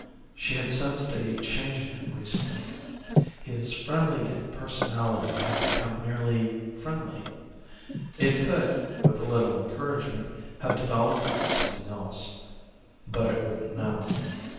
She had sensed a change in him recently. His friendly impersonality had become merely friendly. It could, with a little encouragement, have developed into something else. But it wouldn't now.